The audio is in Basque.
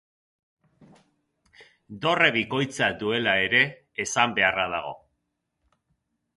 Dorre bikoitza duela ere esan beharra dago.